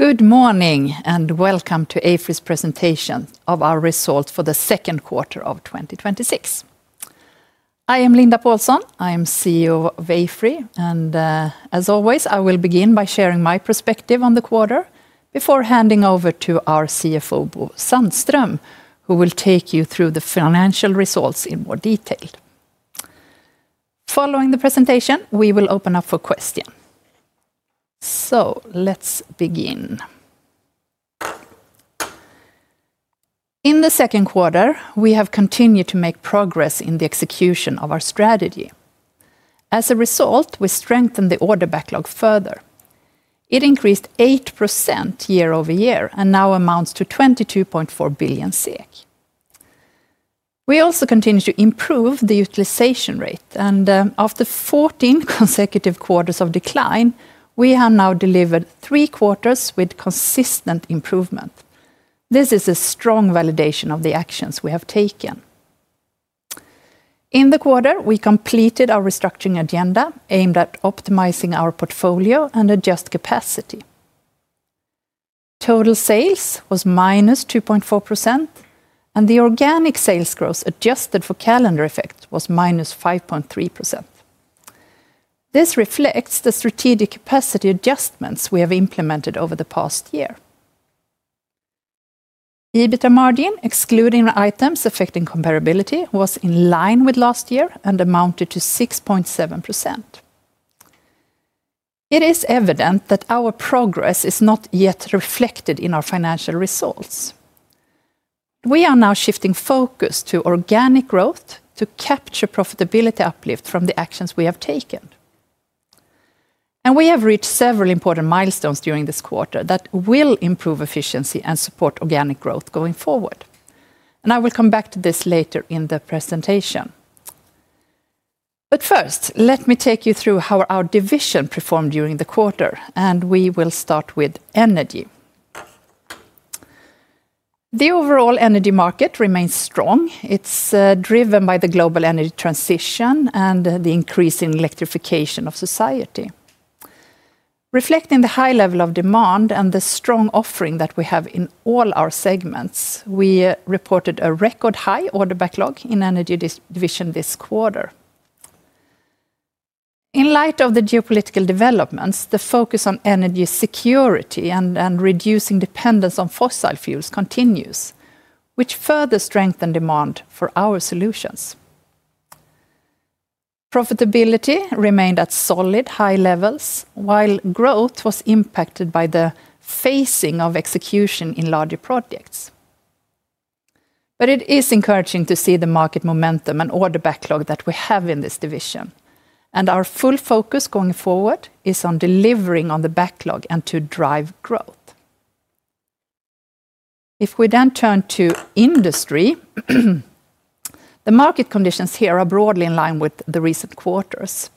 Good morning, and welcome to AFRY's presentation of our results for the second quarter of 2026. I am Linda Pålsson. I am CEO of AFRY, and as always, I will begin by sharing my perspective on the quarter before handing over to our CFO, Bo Sandström, who will take you through the financial results in more detail. Following the presentation, we will open up for questions. Let's begin. In the second quarter, we have continued to make progress in the execution of our strategy. As a result, we strengthened the order backlog further. It increased 8% year-over-year and now amounts to 22.4 billion SEK. We also continue to improve the utilization rate, and after 14 consecutive quarters of decline, we have now delivered three quarters with consistent improvement. This is a strong validation of the actions we have taken. In the quarter, we completed our restructuring agenda aimed at optimizing our portfolio and adjust capacity. Total sales was -2.4%, and the organic sales growth, adjusted for calendar effect, was -5.3%. This reflects the strategic capacity adjustments we have implemented over the past year. EBITDA margin, excluding items affecting comparability, was in line with last year and amounted to 6.7%. It is evident that our progress is not yet reflected in our financial results. We are now shifting focus to organic growth to capture profitability uplift from the actions we have taken. We have reached several important milestones during this quarter that will improve efficiency and support organic growth going forward. I will come back to this later in the presentation. First, let me take you through how our division performed during the quarter, and we will start with energy. The overall energy market remains strong. It is driven by the global energy transition and the increase in electrification of society. Reflecting the high level of demand and the strong offering that we have in all our segments, we reported a record high order backlog in energy division this quarter. In light of the geopolitical developments, the focus on energy security and reducing dependence on fossil fuels continues, which further strengthen demand for our solutions. Profitability remained at solid high levels, while growth was impacted by the phasing of execution in larger projects. It is encouraging to see the market momentum and order backlog that we have in this division, and our full focus going forward is on delivering on the backlog and to drive growth. If we turn to industry, the market conditions here are broadly in line with the recent quarters.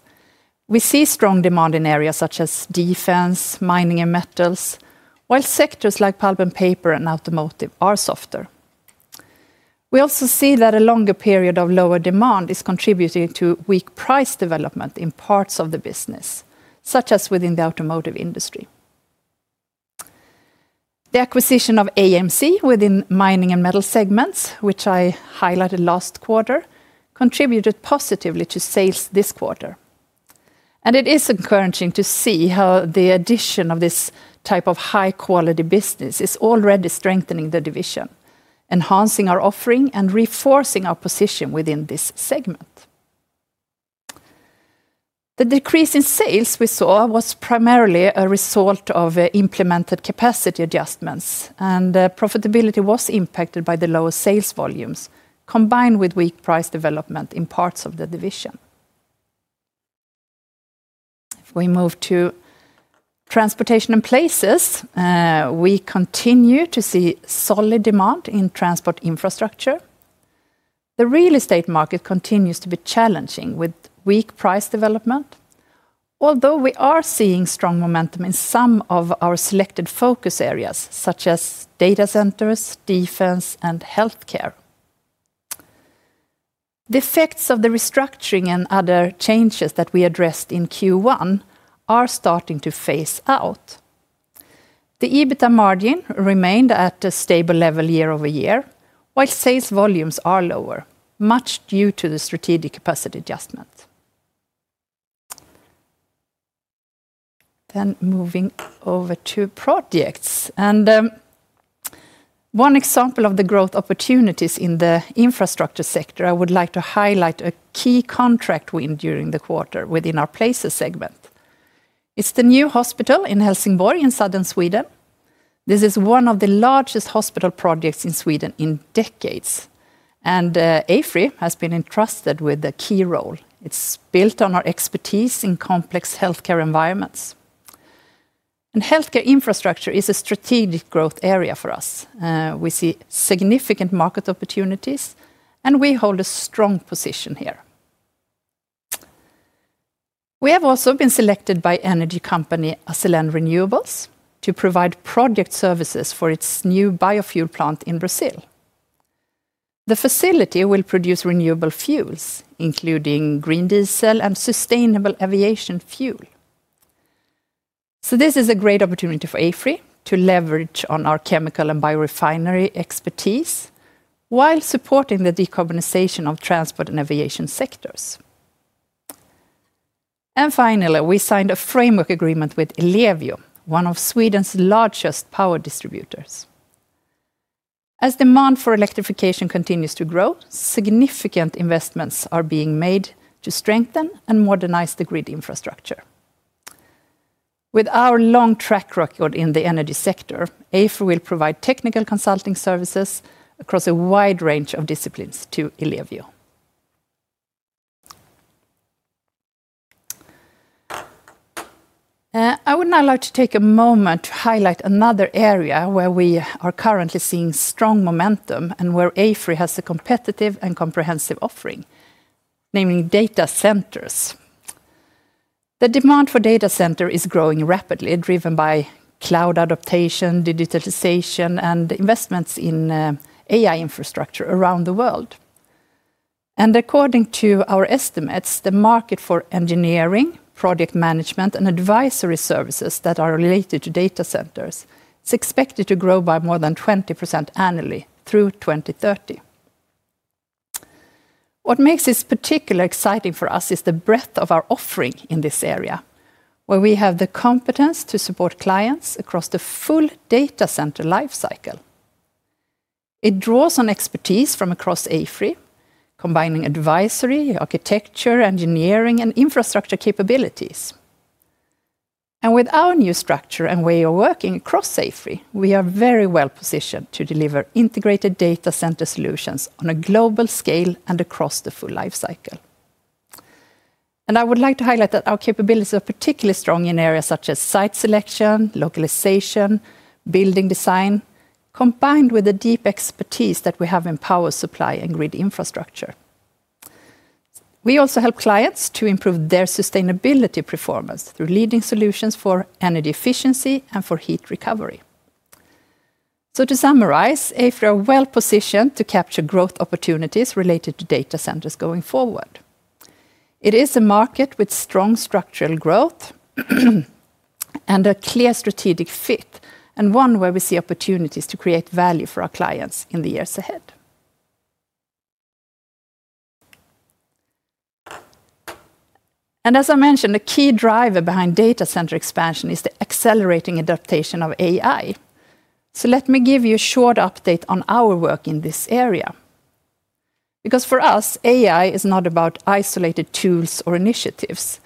We see strong demand in areas such as defense, mining, and metals, while sectors like pulp and paper and automotive are softer. We also see that a longer period of lower demand is contributing to weak price development in parts of the business, such as within the automotive industry. The acquisition of AMC within mining and metal segments, which I highlighted last quarter, contributed positively to sales this quarter. It is encouraging to see how the addition of this type of high-quality business is already strengthening the division, enhancing our offering, and reinforcing our position within this segment. The decrease in sales we saw was primarily a result of implemented capacity adjustments, and profitability was impacted by the lower sales volumes, combined with weak price development in parts of the division. If we move to transportation and places, we continue to see solid demand in transport infrastructure. The real estate market continues to be challenging, with weak price development. We are seeing strong momentum in some of our selected focus areas, such as data centers, defense, and healthcare. The effects of the restructuring and other changes that we addressed in Q1 are starting to phase out. The EBITDA margin remained at a stable level year-over-year, while sales volumes are lower, much due to the strategic capacity adjustment. Moving over to projects, and one example of the growth opportunities in the infrastructure sector, I would like to highlight a key contract win during the quarter within our places segment. It's the new hospital in Helsingborg in southern Sweden. This is one of the largest hospital projects in Sweden in decades, and AFRY has been entrusted with a key role. It's built on our expertise in complex healthcare environments. Healthcare infrastructure is a strategic growth area for us. We see significant market opportunities, and we hold a strong position here. We have also been selected by energy company Acelen Renewables to provide project services for its new biofuel plant in Brazil. The facility will produce renewable fuels, including green diesel and sustainable aviation fuel. This is a great opportunity for AFRY to leverage on our chemical and biorefinery expertise while supporting the decarbonization of transport and aviation sectors. Finally, we signed a framework agreement with Ellevio, one of Sweden's largest power distributors. As demand for electrification continues to grow, significant investments are being made to strengthen and modernize the grid infrastructure. With our long track record in the energy sector, AFRY will provide technical consulting services across a wide range of disciplines to Ellevio. I would now like to take a moment to highlight another area where we are currently seeing strong momentum and where AFRY has a competitive and comprehensive offering, namely data centers. The demand for data center is growing rapidly, driven by cloud adaptation, digitalization, and investments in AI infrastructure around the world. According to our estimates, the market for engineering, project management, and advisory services that are related to data centers is expected to grow by more than 20% annually through 2030. What makes this particularly exciting for us is the breadth of our offering in this area, where we have the competence to support clients across the full data center life cycle. It draws on expertise from across AFRY, combining advisory, architecture, engineering, and infrastructure capabilities. With our new structure and way of working across AFRY, we are very well positioned to deliver integrated data center solutions on a global scale and across the full life cycle. I would like to highlight that our capabilities are particularly strong in areas such as site selection, localization, building design, combined with the deep expertise that we have in power supply and grid infrastructure. We also help clients to improve their sustainability performance through leading solutions for energy efficiency and for heat recovery. To summarize, AFRY are well positioned to capture growth opportunities related to data centers going forward. It is a market with strong structural growth and a clear strategic fit, and one where we see opportunities to create value for our clients in the years ahead. As I mentioned, a key driver behind data center expansion is the accelerating adaptation of AI. Let me give you a short update on our work in this area. For us, AI is not about isolated tools or initiatives.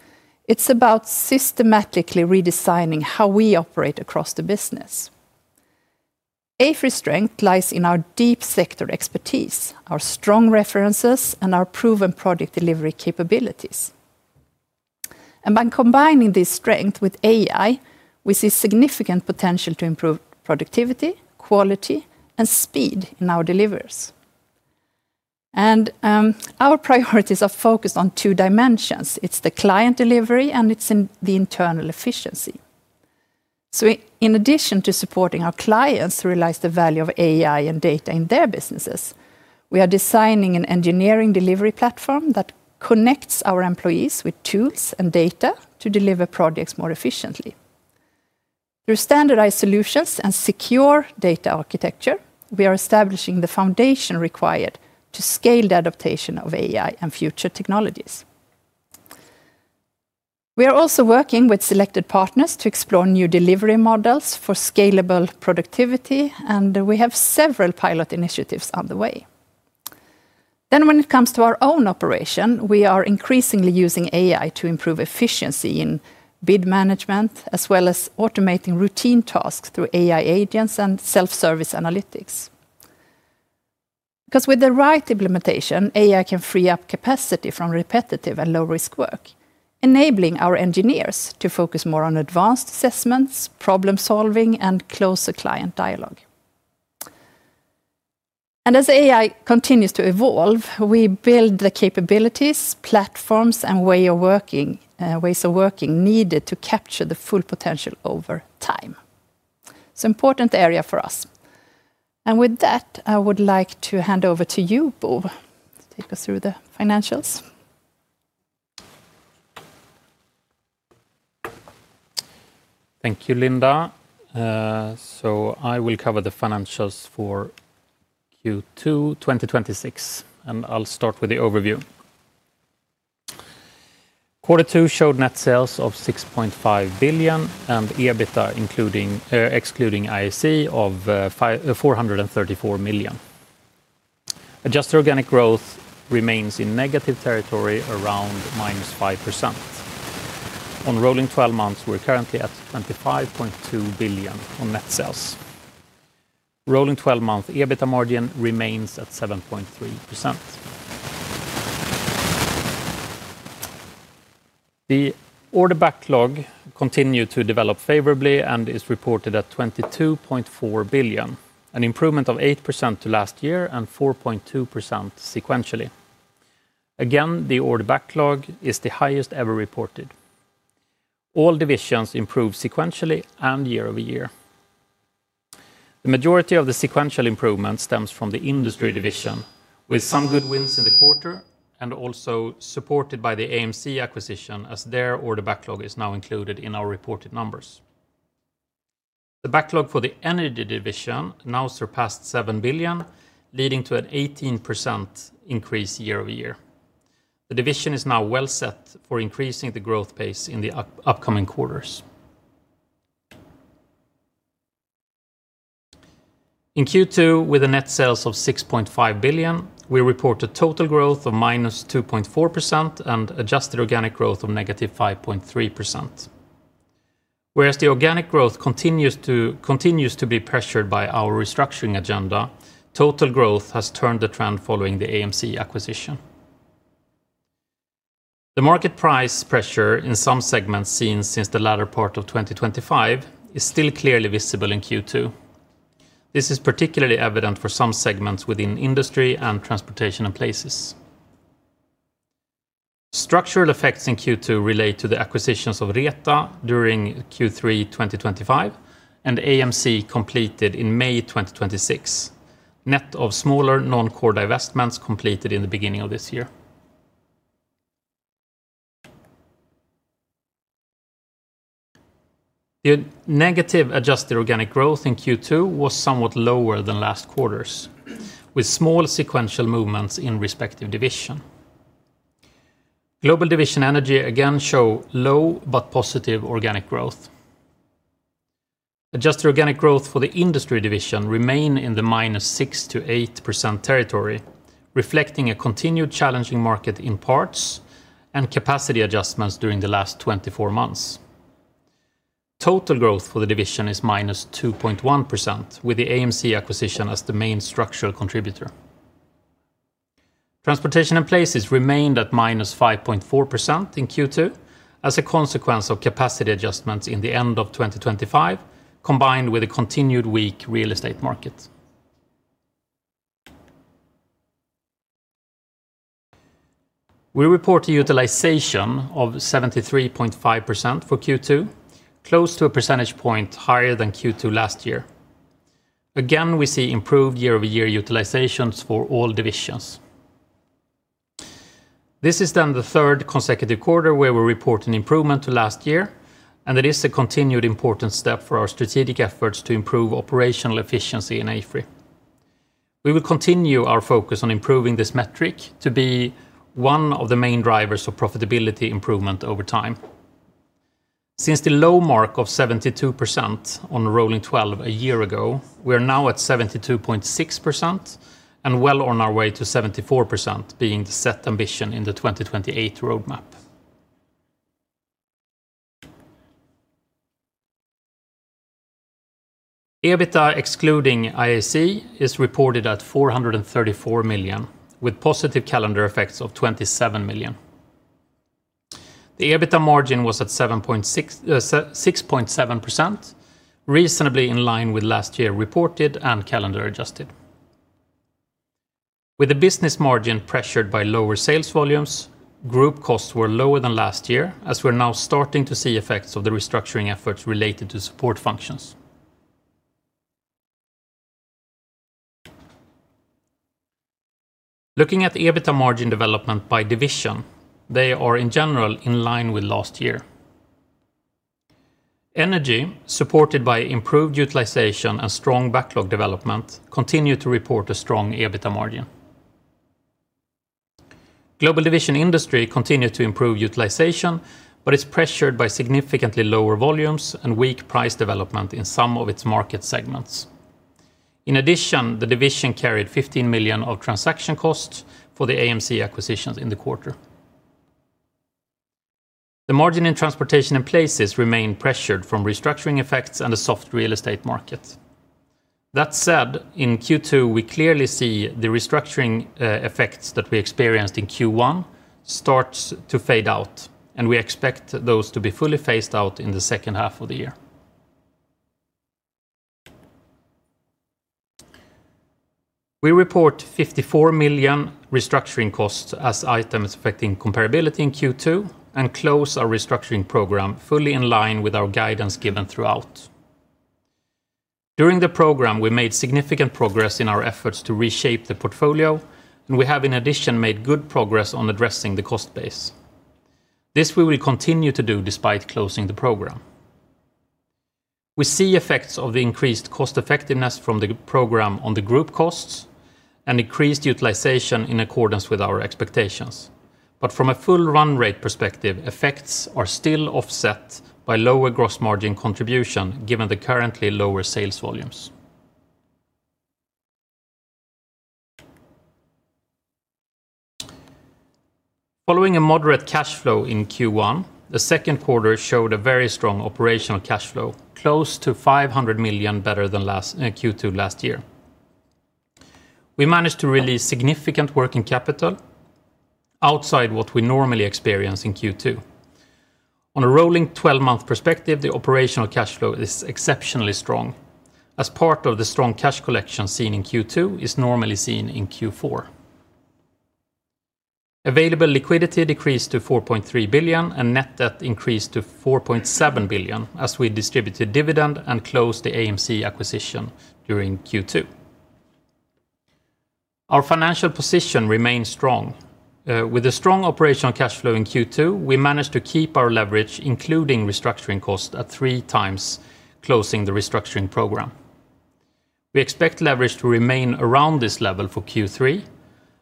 It's about systematically redesigning how we operate across the business. AFRY's strength lies in our deep sector expertise, our strong references, and our proven project delivery capabilities. By combining this strength with AI, we see significant potential to improve productivity, quality, and speed in our deliveries. Our priorities are focused on two dimensions. It's the client delivery, and it's in the internal efficiency. In addition to supporting our clients realize the value of AI and data in their businesses, we are designing an engineering delivery platform that connects our employees with tools and data to deliver projects more efficiently. Through standardized solutions and secure data architecture, we are establishing the foundation required to scale the adaptation of AI and future technologies. We are also working with selected partners to explore new delivery models for scalable productivity, and we have several pilot initiatives on the way. When it comes to our own operation, we are increasingly using AI to improve efficiency in bid management, as well as automating routine tasks through AI agents and self-service analytics. With the right implementation, AI can free up capacity from repetitive and low-risk work, enabling our engineers to focus more on advanced assessments, problem-solving, and closer client dialogue. As AI continues to evolve, we build the capabilities, platforms, and ways of working needed to capture the full potential over time. It's an important area for us. With that, I would like to hand over to you, Bo, to take us through the financials. Thank you, Linda. I will cover the financials for Q2 2026, and I'll start with the overview. Quarter two showed net sales of 6.5 billion and EBITDA excluding IAC of 434 million. Adjusted organic growth remains in negative territory, around -5%. On rolling 12 months, we're currently at 25.2 billion on net sales. Rolling 12-month EBITDA margin remains at 7.3%. The order backlog continued to develop favorably and is reported at 22.4 billion, an improvement of 8% to last year and 4.2% sequentially. Again, the order backlog is the highest ever reported. All divisions improved sequentially and year-over-year. The majority of the sequential improvement stems from the industry division, with some good wins in the quarter and also supported by the AMC acquisition, as their order backlog is now included in our reported numbers. The backlog for the energy division now surpassed 7 billion, leading to an 18% increase year-over-year. The division is now well set for increasing the growth pace in the upcoming quarters. In Q2, with the net sales of 6.5 billion, we reported total growth of -2.4% and adjusted organic growth of -5.3%. The organic growth continues to be pressured by our restructuring agenda, total growth has turned the trend following the AMC acquisition. The market price pressure in some segments seen since the latter part of 2025 is still clearly visible in Q2. This is particularly evident for some segments within industry and transportation and places. Structural effects in Q2 relate to the acquisitions of Reta during Q3 2025 and AMC completed in May 2026, net of smaller non-core divestments completed in the beginning of this year. The negative adjusted organic growth in Q2 was somewhat lower than last quarter's, with small sequential movements in respective division. Global division Energy, again, show low but positive organic growth. Adjusted organic growth for the Industry division remain in the -6% to 8% territory, reflecting a continued challenging market in parts and capacity adjustments during the last 24 months. Total growth for the division is -2.1% with the AMC acquisition as the main structural contributor. Transportation and Places remained at -5.4% in Q2 as a consequence of capacity adjustments in the end of 2025, combined with a continued weak real estate market. We report a utilization of 73.5% for Q2, close to a percentage point higher than Q2 last year. Again, we see improved year-over-year utilizations for all divisions. This is then the third consecutive quarter where we report an improvement to last year, and it is a continued important step for our strategic efforts to improve operational efficiency in AFRY. We will continue our focus on improving this metric to be one of the main drivers of profitability improvement over time. Since the low mark of 72% on rolling 12 a year ago, we are now at 72.6% and well on our way to 74% being the set ambition in the 2028 roadmap. EBITDA excluding IAC is reported at 434 million, with positive calendar effects of 27 million. The EBITDA margin was at 6.7%, reasonably in line with last year reported and calendar adjusted. With the business margin pressured by lower sales volumes, group costs were lower than last year, as we're now starting to see effects of the restructuring efforts related to support functions. Looking at the EBITDA margin development by division, they are in general in line with last year. Energy, supported by improved utilization and strong backlog development, continue to report a strong EBITDA margin. Global division Industry continued to improve utilization, but is pressured by significantly lower volumes and weak price development in some of its market segments. In addition, the division carried 15 million of transaction costs for the AMC acquisitions in the quarter. The margin in Transportation and Places remained pressured from restructuring effects and a soft real estate market. That said, in Q2, we clearly see the restructuring effects that we experienced in Q1 start to fade out, and we expect those to be fully phased out in the second half of the year. We report 54 million restructuring costs as items affecting comparability in Q2 and close our restructuring program fully in line with our guidance given throughout. During the program, we made significant progress in our efforts to reshape the portfolio, and we have in addition, made good progress on addressing the cost base. This we will continue to do despite closing the program. From a full run rate perspective, effects are still offset by lower gross margin contribution given the currently lower sales volumes. Following a moderate cash flow in Q1, the second quarter showed a very strong operational cash flow, close to 500 million better than Q2 last year. We managed to release significant working capital outside what we normally experience in Q2. On a rolling 12-month perspective, the operational cash flow is exceptionally strong as part of the strong cash collection seen in Q2 is normally seen in Q4. Available liquidity decreased to 4.3 billion, and net debt increased to 4.7 billion as we distributed dividend and closed the AMC acquisition during Q2. Our financial position remains strong. With a strong operational cash flow in Q2, we managed to keep our leverage, including restructuring costs, at three times, closing the restructuring program. We expect leverage to remain around this level for Q3,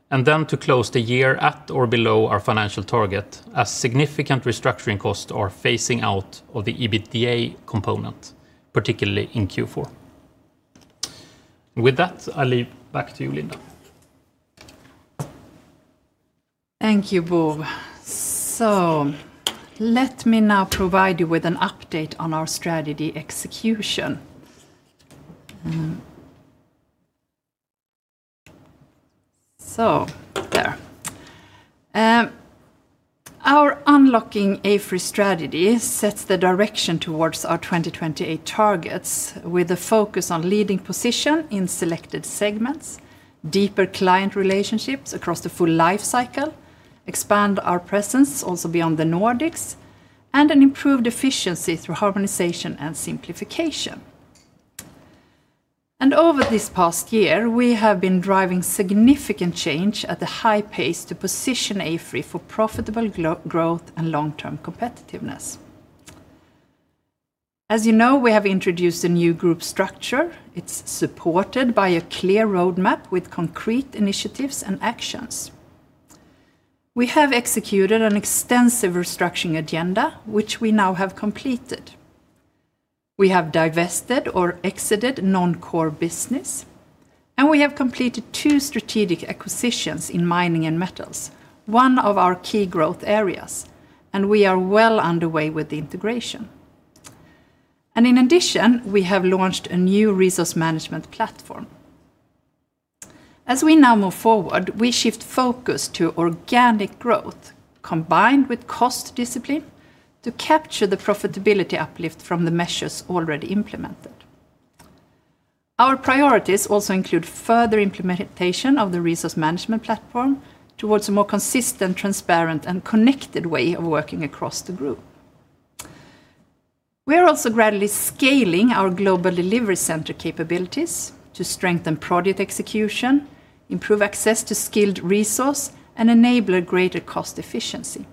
and then to close the year at or below our financial target as significant restructuring costs are phasing out of the EBITDA component, particularly in Q4. With that, I leave back to you, Linda. Thank you, Bo. Let me now provide you with an update on our strategy execution. Our Unlocking AFRY strategy sets the direction towards our 2028 targets with a focus on leading position in selected segments, deeper client relationships across the full life cycle, expand our presence also beyond the Nordics, and an improved efficiency through harmonization and simplification. Over this past year, we have been driving significant change at a high pace to position AFRY for profitable growth and long-term competitiveness. As you know, we have introduced a new group structure. It's supported by a clear roadmap with concrete initiatives and actions. We have executed an extensive restructuring agenda, which we now have completed. We have divested or exited non-core business, and we have completed two strategic acquisitions in mining and metals, one of our key growth areas, and we are well underway with the integration. In addition, we have launched a new resource management platform. As we now move forward, we shift focus to organic growth, combined with cost discipline, to capture the profitability uplift from the measures already implemented. Our priorities also include further implementation of the resource management platform towards a more consistent, transparent, and connected way of working across the group. We are also gradually scaling our global delivery center capabilities to strengthen project execution, improve access to skilled resource, and enable a greater cost efficiency.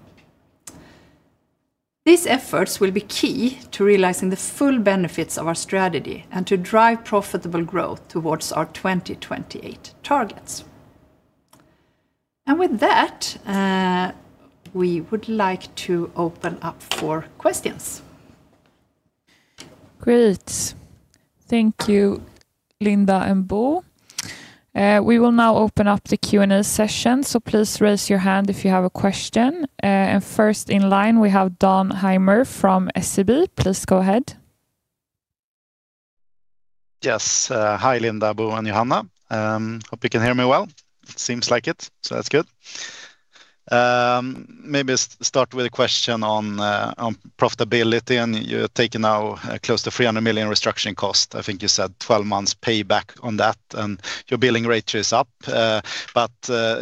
These efforts will be key to realizing the full benefits of our strategy and to drive profitable growth towards our 2028 targets. With that, we would like to open up for questions. Great. Thank you, Linda and Bo. We will now open up the Q&A session, so please raise your hand if you have a question. First in line, we have Dan Heimer from SEB. Please go ahead. Yes. Hi, Linda, Bo, and Johanna. Hope you can hear me well. Seems like it, so that's good. Maybe start with a question on profitability. You're taking now close to 300 million restructuring cost. I think you said 12 months payback on that, and your billing rate is up. The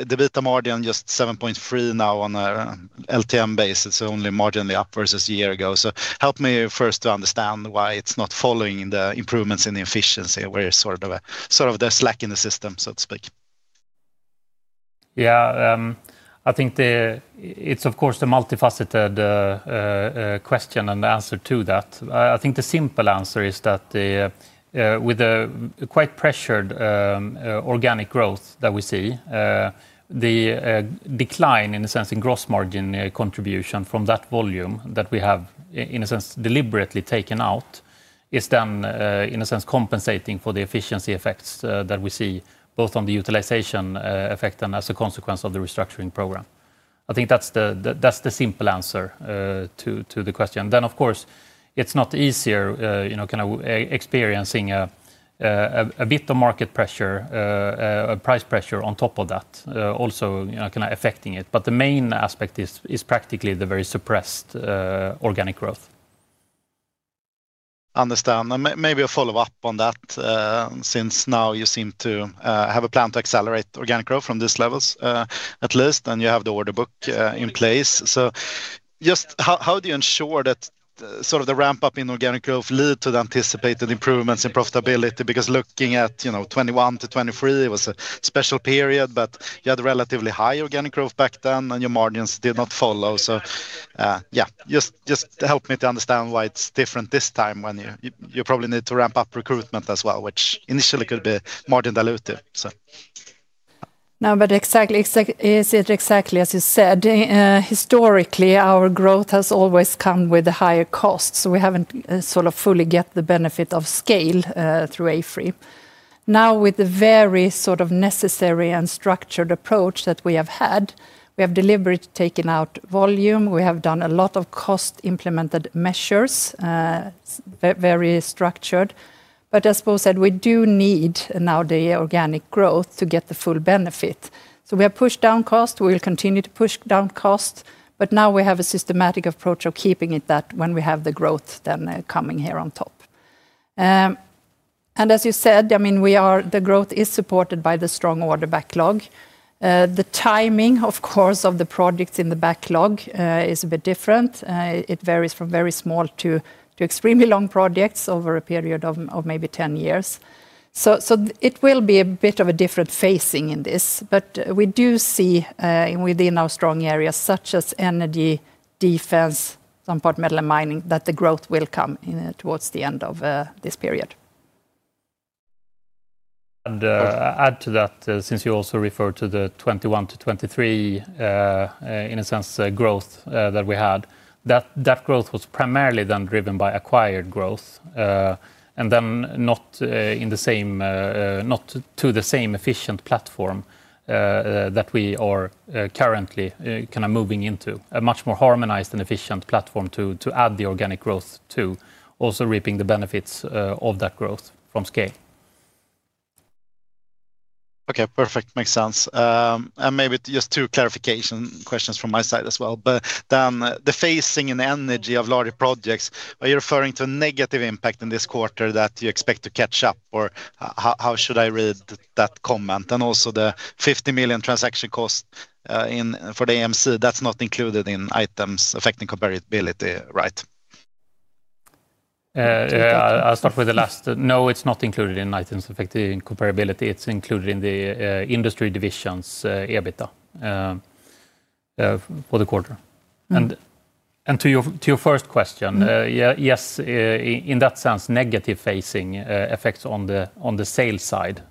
EBITDA margin just 7.3% now on an LTM base. It's only marginally up versus a year ago. Help me first to understand why it's not following the improvements in the efficiency, where is the slack in the system, so to speak? Yeah. I think it's of course a multifaceted question and answer to that. I think the simple answer is that with the quite pressured organic growth that we see, the decline, in a sense, in gross margin contribution from that volume that we have, in a sense, deliberately taken out is then, in a sense, compensating for the efficiency effects that we see both on the utilization effect and as a consequence of the restructuring program. I think that's the simple answer to the question. Of course, it's not easier experiencing a bit of market pressure, price pressure on top of that also affecting it. The main aspect is practically the very suppressed organic growth. Understand. Maybe a follow-up on that, since now you seem to have a plan to accelerate organic growth from these levels, at least, and you have the order book in place. Just how do you ensure that the ramp-up in organic growth lead to the anticipated improvements in profitability? Looking at 2021 to 2023, it was a special period, but you had relatively high organic growth back then, and your margins did not follow. Yeah, just help me to understand why it's different this time when you probably need to ramp up recruitment as well, which initially could be margin dilutive. No, it is exactly as you said. Historically, our growth has always come with a higher cost, so we haven't fully get the benefit of scale through AFRY. Now, with the very necessary and structured approach that we have had, we have deliberately taken out volume. We have done a lot of cost implemented measures, very structured. As Bo said, we do need now the organic growth to get the full benefit. We have pushed down cost. We will continue to push down cost, but now we have a systematic approach of keeping it that when we have the growth then coming here on top. As you said, the growth is supported by the strong order backlog. The timing, of course, of the projects in the backlog is a bit different. It varies from very small to extremely long projects over a period of maybe 10 years. It will be a bit of a different phasing in this. We do see, within our strong areas, such as energy, defense, some part metal and mining, that the growth will come towards the end of this period. Add to that, since you also referred to the 2021 to 2023, in a sense, growth that we had. That growth was primarily driven by acquired growth, not to the same efficient platform that we are currently moving into, a much more harmonized and efficient platform to add the organic growth to also reaping the benefits of that growth from scale. Okay, perfect. Makes sense. Maybe just two clarification questions from my side as well. The phasing and energy of larger projects, are you referring to a negative impact in this quarter that you expect to catch up, or how should I read that comment? Also the 15 million transaction cost for the AMC, that's not included in items affecting comparability, right? I'll start with the last. No, it's not included in items affecting comparability. It's included in the industry division's EBITDA for the quarter. To your first question, yes, in that sense, negative phasing effects on the sales side.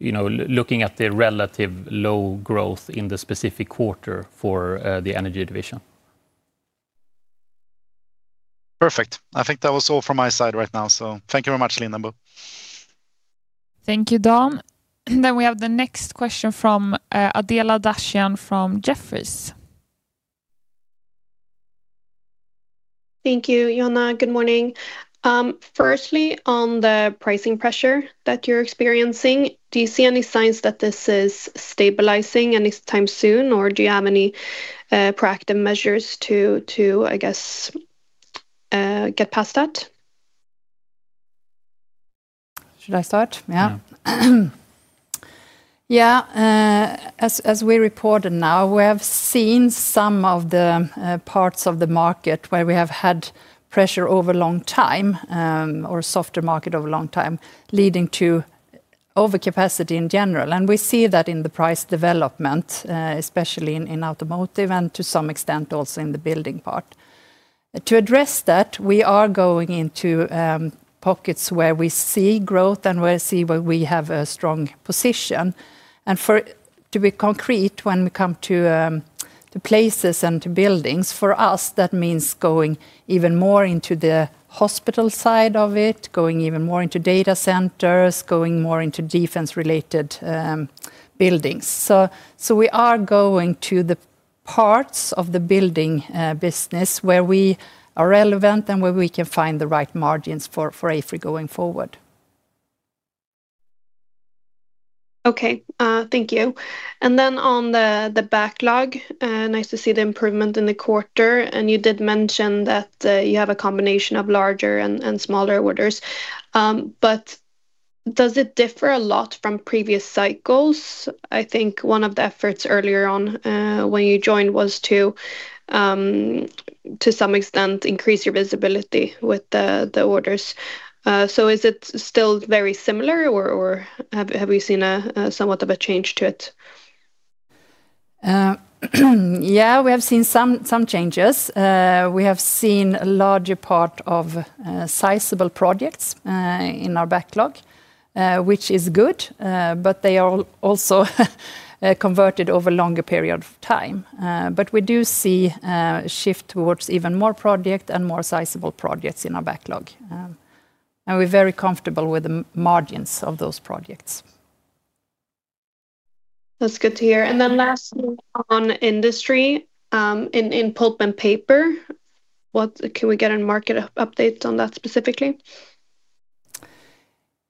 Looking at the relative low growth in the specific quarter for the energy division. Perfect. I think that was all from my side right now. Thank you very much, Linda and Bo. Thank you, Dan. We have the next question from Adela Dashian from Jefferies. Thank you, Johanna. Good morning. Firstly, on the pricing pressure that you're experiencing, do you see any signs that this is stabilizing any time soon, or do you have any proactive measures to, I guess, get past that? Should I start? Yeah. As we reported now, we have seen some of the parts of the market where we have had pressure over a long time, or a softer market over a long time, leading to overcapacity in general. We see that in the price development, especially in automotive and to some extent also in the building part. To address that, we are going into pockets where we see growth and where we see where we have a strong position. To be concrete, when we come to places and to buildings, for us, that means going even more into the hospital side of it, going even more into data centers, going more into defense-related buildings. We are going to the parts of the building business where we are relevant and where we can find the right margins for AFRY going forward. Okay. Thank you. On the backlog, nice to see the improvement in the quarter. You did mention that you have a combination of larger and smaller orders. Does it differ a lot from previous cycles? I think one of the efforts earlier on when you joined was to some extent increase your visibility with the orders. Is it still very similar, or have we seen somewhat of a change to it? Yeah, we have seen some changes. We have seen a larger part of sizable projects in our backlog, which is good. They are also converted over a longer period of time. We do see a shift towards even more projects and more sizable projects in our backlog. We're very comfortable with the margins of those projects. That's good to hear. Last one on industry, in pulp and paper, can we get a market update on that specifically?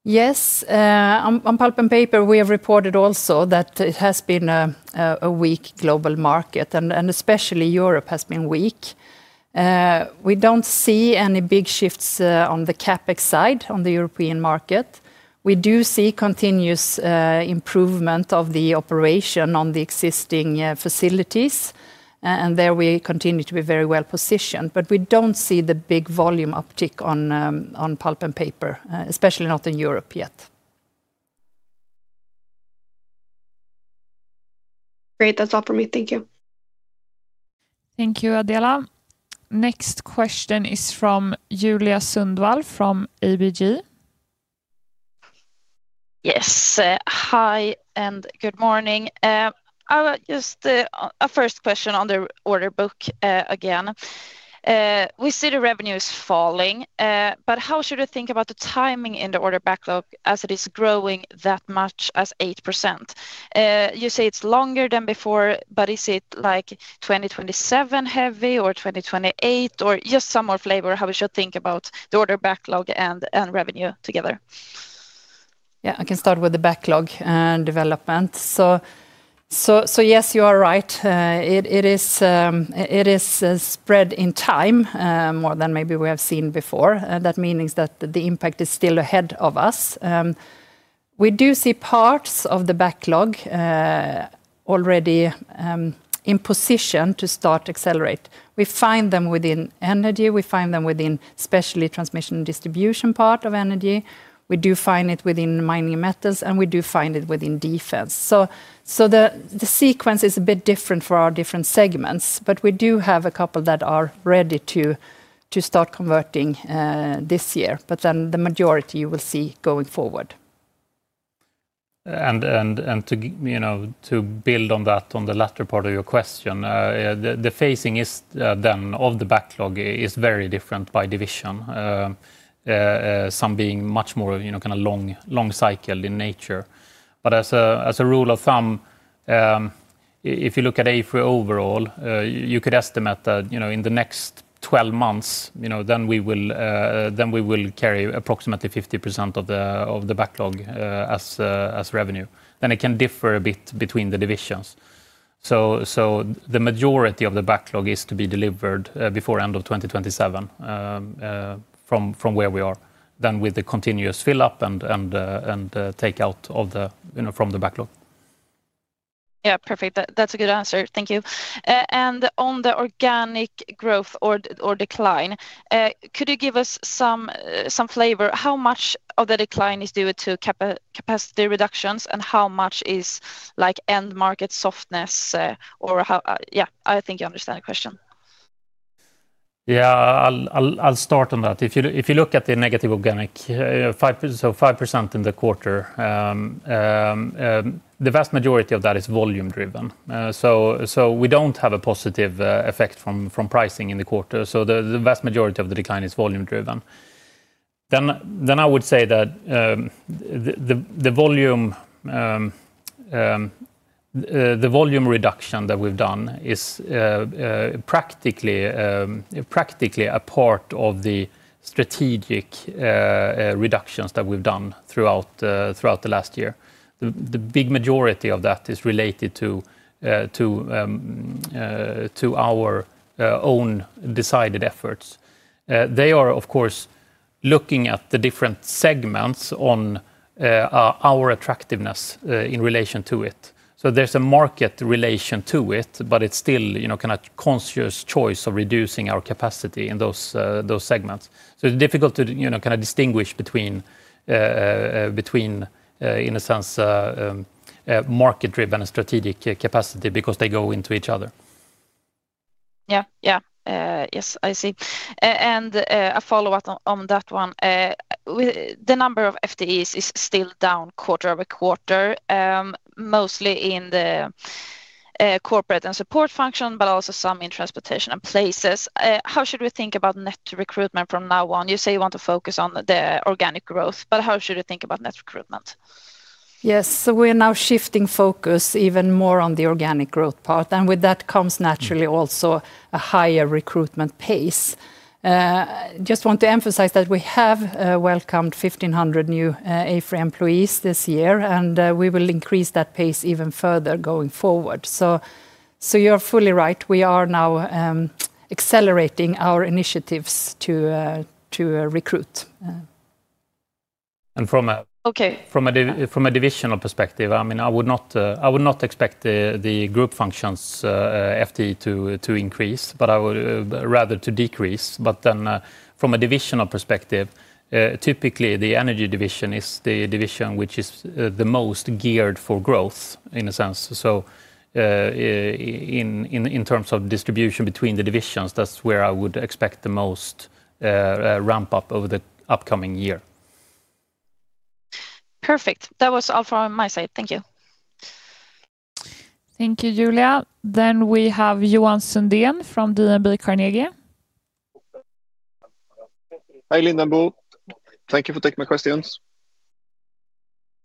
Yes. On pulp and paper, we have reported also that it has been a weak global market, especially Europe has been weak. We don't see any big shifts on the CapEx side on the European market. We do see continuous improvement of the operation on the existing facilities, there we continue to be very well positioned. We don't see the big volume uptick on pulp and paper, especially not in Europe yet. Great. That's all from me. Thank you. Thank you, Adela. Next question is from Julia Sundvall from ABG. Yes. Hi, and good morning. Just a first question on the order book again. We see the revenue is falling, but how should I think about the timing in the order backlog as it is growing that much, as 8%? You say it's longer than before, but is it 2027 heavy or 2028, or just some more flavor how we should think about the order backlog and revenue together? Yeah, I can start with the backlog and development. Yes, you are right. It is spread in time more than maybe we have seen before. That means that the impact is still ahead of us. We do see parts of the backlog already in position to start accelerate. We find them within energy, we find them within especially transmission distribution part of energy. We do find it within mining methods, and we do find it within defense. The sequence is a bit different for our different segments, but we do have a couple that are ready to start converting this year. The majority you will see going forward. To build on that, on the latter part of your question, the phasing of the backlog is very different by division. Some being much more long cycle in nature. As a rule of thumb, if you look at AFRY overall, you could estimate that in the next 12 months, we will carry approximately 50% of the backlog as revenue. It can differ a bit between the divisions. The majority of the backlog is to be delivered before end of 2027 from where we are. With the continuous fill-up and take out from the backlog. Yeah, perfect. That's a good answer. Thank you. On the organic growth or decline, could you give us some flavor, how much of the decline is due to capacity reductions, and how much is end market softness? I think you understand the question. Yeah. I'll start on that. If you look at the negative organic, so 5% in the quarter, the vast majority of that is volume driven. We don't have a positive effect from pricing in the quarter. The vast majority of the decline is volume driven. I would say that the volume reduction that we've done is practically a part of the strategic reductions that we've done throughout the last year. The big majority of that is related to our own decided efforts. They are, of course, looking at the different segments on our attractiveness in relation to it. There's a market relation to it, but it's still conscious choice of reducing our capacity in those segments. It's difficult to distinguish between, in a sense, market-driven strategic capacity because they go into each other. Yeah. Yes, I see. A follow-up on that one. The number of FTEs is still down quarter-over-quarter, mostly in the corporate and support function, but also some in transportation and places. How should we think about net recruitment from now on? You say you want to focus on the organic growth, but how should we think about net recruitment? We are now shifting focus even more on the organic growth part. With that comes naturally also a higher recruitment pace. Just want to emphasize that we have welcomed 1,500 new AFRY employees this year, and we will increase that pace even further going forward. You're fully right. We are now accelerating our initiatives to recruit. And from a- Okay From a divisional perspective, I would not expect the group functions FTE to increase, but rather to decrease. From a divisional perspective, typically, the energy division is the division which is the most geared for growth in a sense. In terms of distribution between the divisions, that's where I would expect the most ramp-up over the upcoming year. Perfect. That was all from my side. Thank you. Thank you, Julia. We have Johan Sundén from DNB Carnegie. Hi, Linda and Bo. Thank you for taking my questions.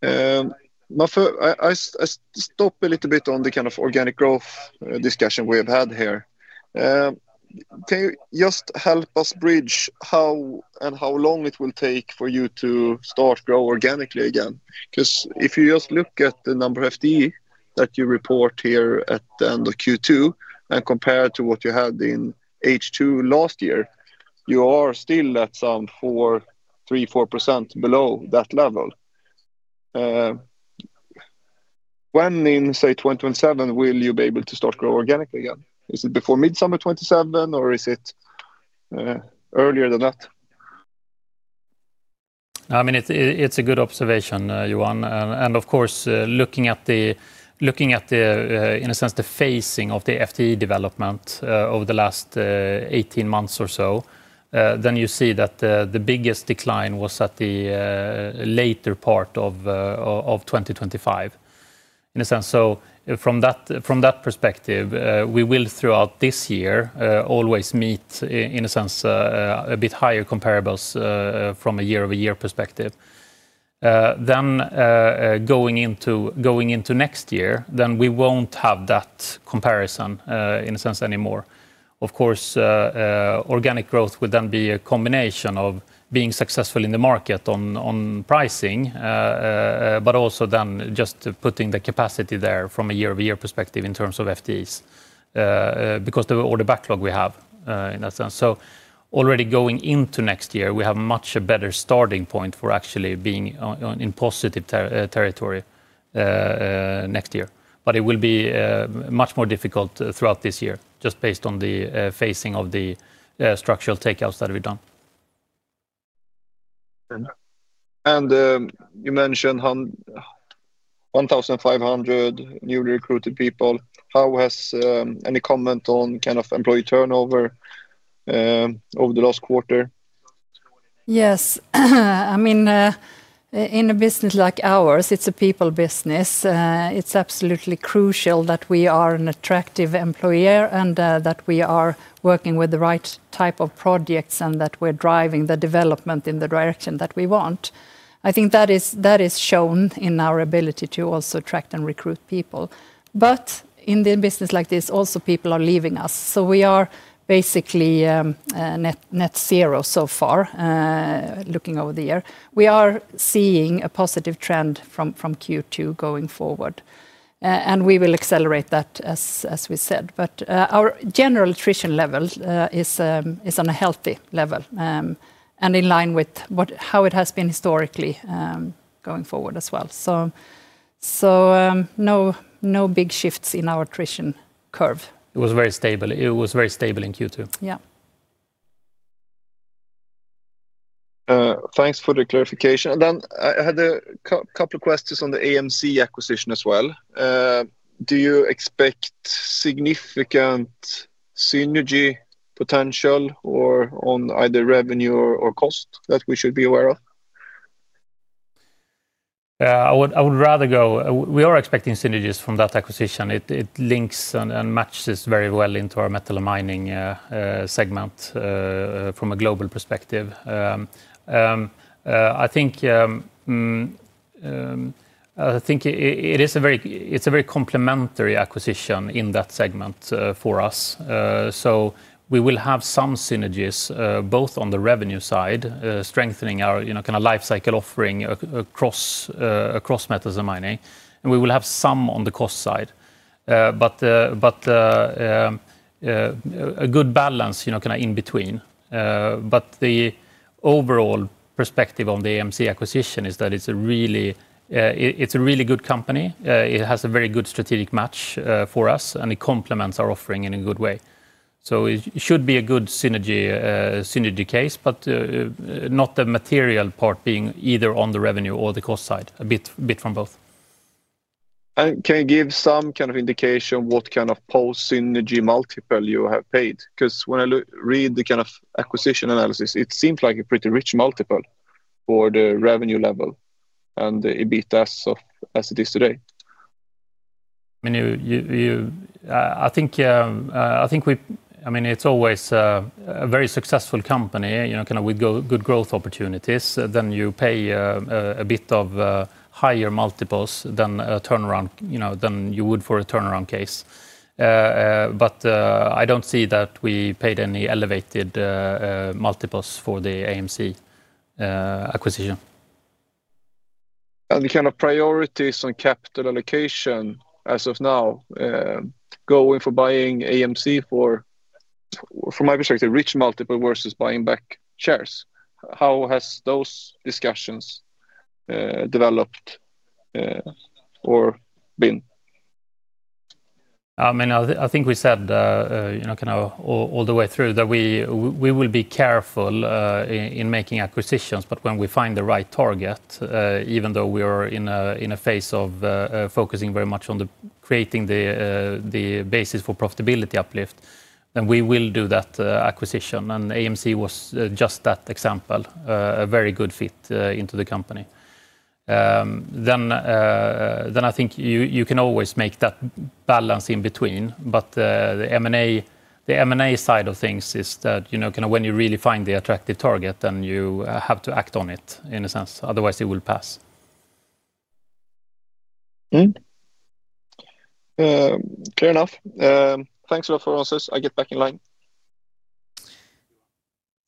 I stop a little bit on the kind of organic growth discussion we have had here. Can you just help us bridge how and how long it will take for you to start grow organically again? If you just look at the number of FTE that you report here at the end of Q2 and compare to what you had in H2 last year, you are still at some 3%-4% below that level. When in, say, 2027, will you be able to start grow organically again? Is it before mid-summer 2027, or is it earlier than that? It's a good observation, Johan. Of course, looking at the, in a sense, the phasing of the FTE development over the last 18 months or so, you see that the biggest decline was at the later part of 2025, in a sense. From that perspective, we will, throughout this year, always meet, in a sense, a bit higher comparables from a year-over-year perspective. Going into next year, we won't have that comparison in a sense anymore. Of course, organic growth would then be a combination of being successful in the market on pricing, but also then just putting the capacity there from a year-over-year perspective in terms of FTEs, because of all the backlog we have in that sense. Already going into next year, we have much a better starting point for actually being in positive territory next year. It will be much more difficult throughout this year, just based on the phasing of the structural takeouts that we've done. You mentioned 1,500 new recruited people. Any comment on employee turnover over the last quarter? Yes. In a business like ours, it's a people business. It's absolutely crucial that we are an attractive employer and that we are working with the right type of projects, and that we're driving the development in the direction that we want. I think that is shown in our ability to also attract and recruit people. In a business like this also, people are leaving us. We are basically net zero so far, looking over the year. We are seeing a positive trend from Q2 going forward. We will accelerate that as we said. Our general attrition level is on a healthy level, and in line with how it has been historically, going forward as well. No big shifts in our attrition curve. It was very stable in Q2. Yeah. Thanks for the clarification. I had a couple of questions on the AMC acquisition as well. Do you expect significant synergy potential on either revenue or cost that we should be aware of? We are expecting synergies from that acquisition. It links and matches very well into our Metals and Mining segment, from a global perspective. I think it is a very complementary acquisition in that segment for us. We will have some synergies, both on the revenue side, strengthening our lifecycle offering across Metals and Mining, and we will have some on the cost side. A good balance in between. The overall perspective on the AMC acquisition is that it is a really good company. It has a very good strategic match for us, and it complements our offering in a good way. It should be a good synergy case, but not the material part being either on the revenue or the cost side. A bit from both. Can you give some kind of indication what kind of post synergy multiple you have paid? Because when I read the kind of acquisition analysis, it seems like a pretty rich multiple for the revenue level and EBITDA as it is today. It's always a very successful company, with good growth opportunities. You pay a bit of higher multiples than you would for a turnaround case. I don't see that we paid any elevated multiples for the AMC acquisition. The kind of priorities on capital allocation as of now, going for buying AMC for, from my perspective, rich multiple versus buying back shares. How has those discussions developed or been? I think we said all the way through that we will be careful in making acquisitions, but when we find the right target, even though we are in a phase of focusing very much on creating the basis for profitability uplift, then we will do that acquisition. AMC was just that example, a very good fit into the company. I think you can always make that balance in between, but the M&A side of things is that, when you really find the attractive target, then you have to act on it, in a sense. Otherwise, it will pass. Clear enough. Thanks a lot for answers. I get back in line.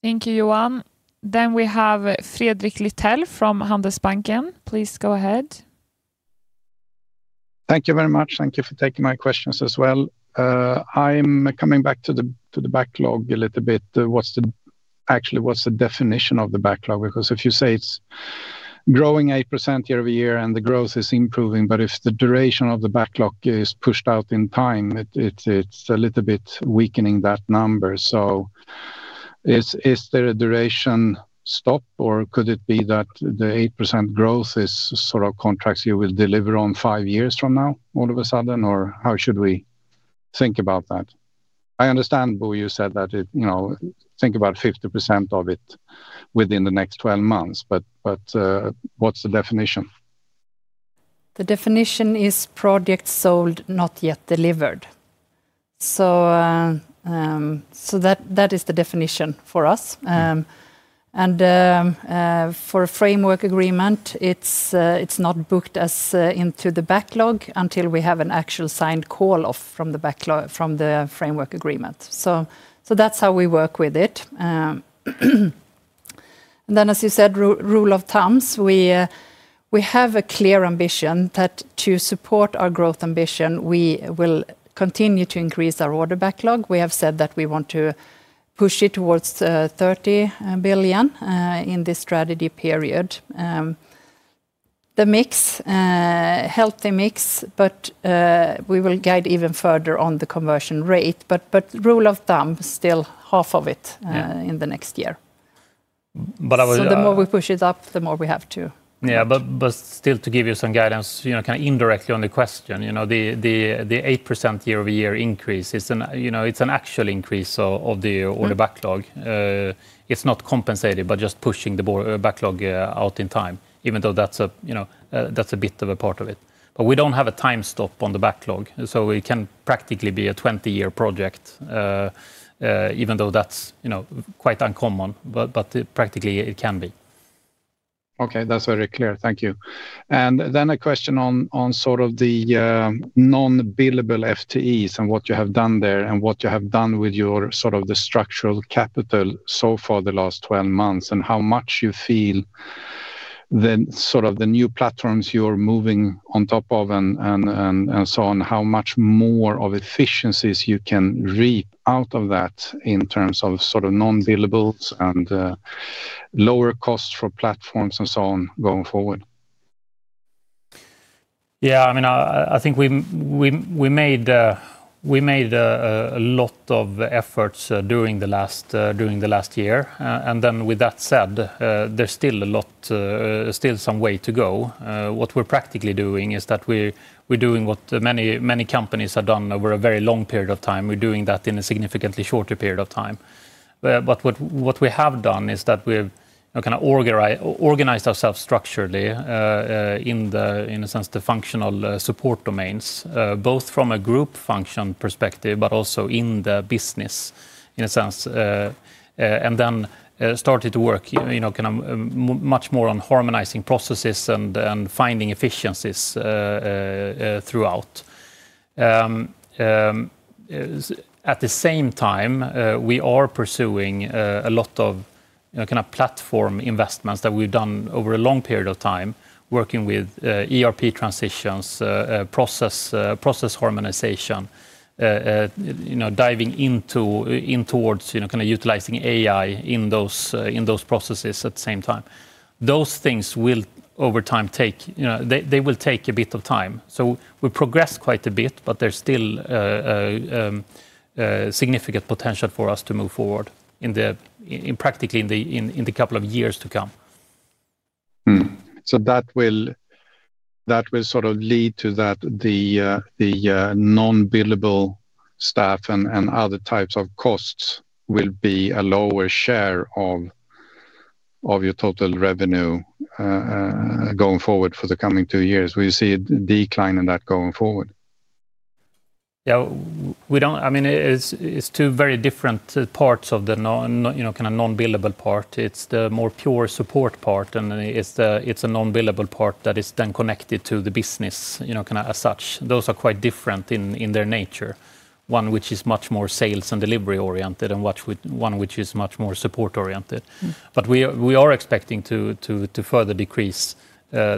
Thank you, Johan. We have Fredrik Lithell from Handelsbanken. Please go ahead. Thank you very much. Thank you for taking my questions as well. I'm coming back to the backlog a little bit. Actually, what's the definition of the backlog? If you say it's growing 8% year-over-year, and the growth is improving, but if the duration of the backlog is pushed out in time, it's a little bit weakening that number. Is there a duration stop, or could it be that the 8% growth is sort of contracts you will deliver on five years from now all of a sudden? How should we think about that? I understand, Bo, you said that think about 50% of it within the next 12 months, but what's the definition? The definition is projects sold, not yet delivered. That is the definition for us. For a framework agreement, it's not booked into the backlog until we have an actual signed call off from the framework agreement. That's how we work with it. As you said, rule of thumb. We have a clear ambition that to support our growth ambition, we will continue to increase our order backlog. We have said that we want to push it towards 30 billion in this strategy period. The mix, healthy mix, but we will guide even further on the conversion rate, but rule of thumb, still half of it- Yeah -in the next year. I would- The more we push it up, the more we have to. Yeah, still to give you some guidance, kind of indirectly on the question, the 8% year-over-year increase, it's an actual increase of the order backlog. It's not compensated by just pushing the backlog out in time, even though that's a bit of a part of it. We don't have a time stop on the backlog, so it can practically be a 20-year project, even though that's quite uncommon. Practically, it can be. Okay. That's very clear. Thank you. A question on the non-billable FTEs and what you have done there, and what you have done with the structural capital so far the last 12 months. How much you feel the new platforms you're moving on top of, and so on, how much more of efficiencies you can reap out of that in terms of non-billables and lower costs for platforms and so on going forward? Yeah, I think we made a lot of efforts during the last year. With that said, there's still some way to go. What we're practically doing is that we're doing what many companies have done over a very long period of time. We're doing that in a significantly shorter period of time. What we have done is that we've organized ourselves structurally, in a sense, the functional support domains, both from a group function perspective, but also in the business, in a sense. Started to work much more on harmonizing processes and finding efficiencies throughout. At the same time, we are pursuing a lot of platform investments that we've done over a long period of time, working with ERP transitions, process harmonization, diving in towards utilizing AI in those processes at the same time. Those things will, over time, they will take a bit of time. We progress quite a bit, but there's still significant potential for us to move forward practically in the couple of years to come. That will lead to that, the non-billable staff and other types of costs will be a lower share of your total revenue going forward for the coming two years. Will you see a decline in that going forward? It's two very different parts of the non-billable part. It's the more pure support part, and it's a non-billable part that is then connected to the business, as such. Those are quite different in their nature. One which is much more sales and delivery oriented, and one which is much more support oriented. We are expecting to further decrease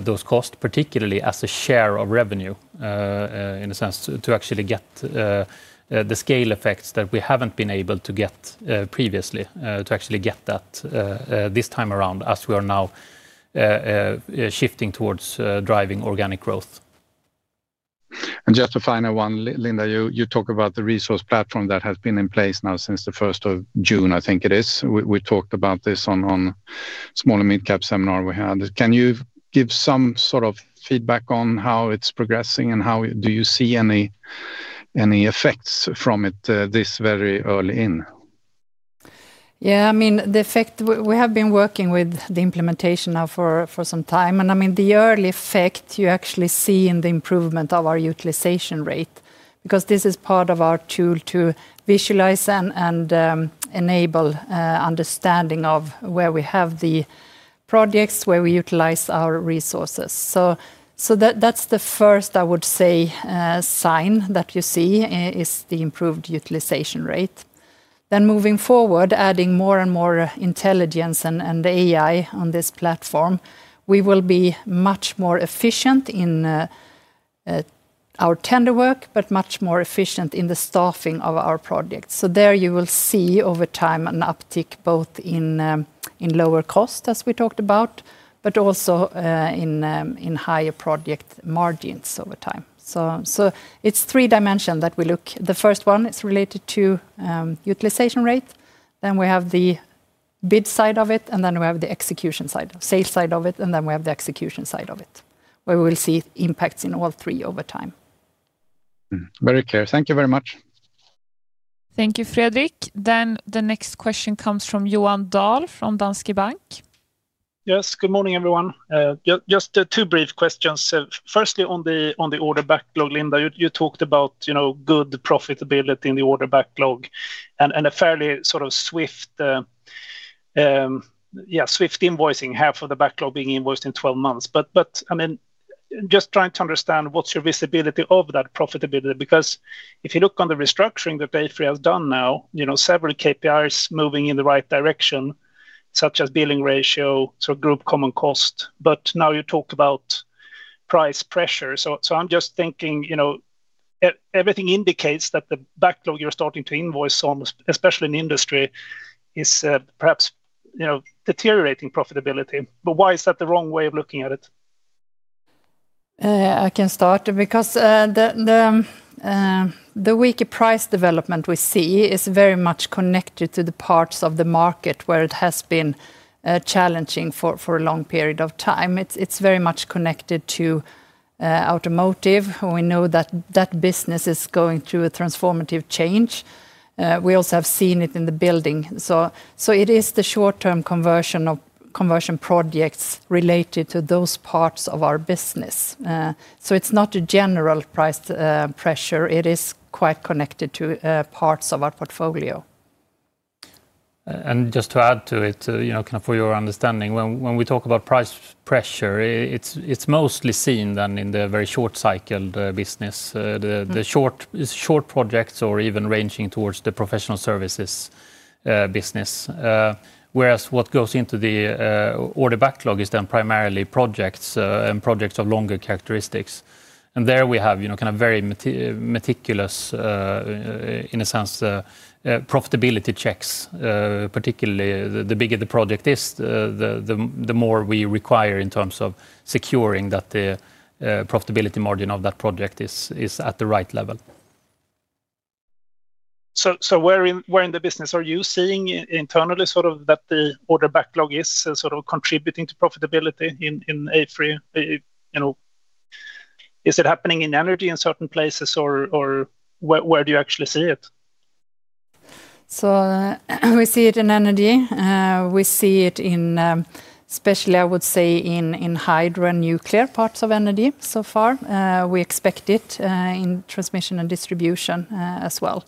those costs, particularly as a share of revenue, in a sense, to actually get the scale effects that we haven't been able to get previously, to actually get that this time around as we are now shifting towards driving organic growth. Just a final one, Linda, you talk about the resource platform that has been in place now since the 1st of June, I think it is. We talked about this on Small & Midcap Seminar we had. Can you give some sort of feedback on how it's progressing and do you see any effects from it this very early in? Yeah. We have been working with the implementation now for some time. The early effect you actually see in the improvement of our utilization rate, because this is part of our tool to visualize and enable understanding of where we have the projects, where we utilize our resources. That's the first, I would say, sign that you see is the improved utilization rate. Moving forward, adding more and more intelligence and AI on this platform, we will be much more efficient in our tender work, but much more efficient in the staffing of our projects. There you will see over time an uptick both in lower cost, as we talked about, but also in higher project margins over time. It's three dimension that we look. The first one, it's related to utilization rate. We have the bid side of it, and then we have the execution side. Sales side of it, and then we have the execution side of it, where we will see impacts in all three over time. Very clear. Thank you very much. Thank you, Fredrik. The next question comes from Johan Dahl, from Danske Bank. Yes. Good morning, everyone. Just two brief questions. Firstly, on the order backlog, Linda, you talked about good profitability in the order backlog and a fairly swift invoicing, half of the backlog being invoiced in 12 months. Just trying to understand what's your visibility of that profitability, because if you look on the restructuring that AFRY has done now, several KPIs moving in the right direction, such as billing ratio, group common cost. Now you talked about price pressure. I'm just thinking, everything indicates that the backlog you're starting to invoice on, especially in the industry, is perhaps deteriorating profitability. Why is that the wrong way of looking at it? I can start. The weaker price development we see is very much connected to the parts of the market where it has been challenging for a long period of time. It's very much connected to automotive. We know that that business is going through a transformative change. We also have seen it in the building. It is the short-term conversion of conversion projects related to those parts of our business. It's not a general price pressure. It is quite connected to parts of our portfolio. Just to add to it, for your understanding, when we talk about price pressure, it's mostly seen then in the very short cycled business. The short projects or even ranging towards the professional services business. Whereas what goes into the order backlog is then primarily projects and projects of longer characteristics. There we have very meticulous, in a sense, profitability checks, particularly the bigger the project is, the more we require in terms of securing that the profitability margin of that project is at the right level. Where in the business are you seeing internally that the order backlog is contributing to profitability in AFRY? Is it happening in energy in certain places, or where do you actually see it? We see it in energy. We see it in, especially, I would say, in hydro and nuclear parts of energy so far. We expect it in transmission and distribution as well.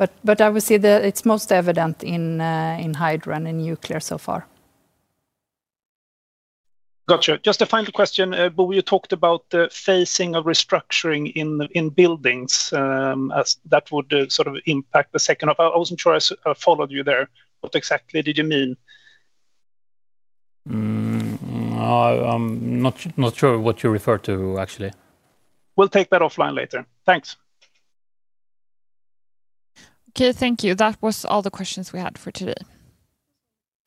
I would say that it's most evident in hydro and in nuclear so far. Got you. Just a final question. Bo, you talked about the phasing of restructuring in buildings, as that would impact the second half. I wasn't sure I followed you there. What exactly did you mean? I'm not sure what you refer to, actually. We'll take that offline later. Thanks. Okay, thank you. That was all the questions we had for today.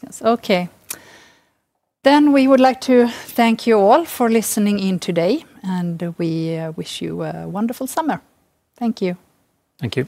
Yes. Okay. We would like to thank you all for listening in today, and we wish you a wonderful summer. Thank you. Thank you.